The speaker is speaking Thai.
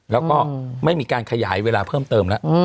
แล้วก็ไม่มีการขยายเวลาเพิ่มเติมแล้ว